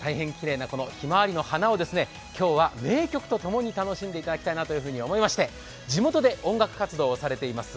大変きれいなひまわりの花を今日は名曲と共に楽しんでいただきたいと思いまして地元で音楽活動をされています